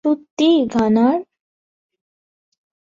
সত্যিই, গানার?